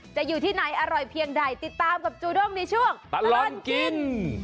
อยู่ที่ไหนอร่อยเพียงใดติดตามกับจูด้งในช่วงตลอดกิน